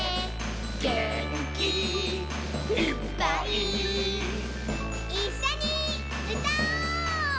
「げんきいっぱい」「いっしょにうたおう！」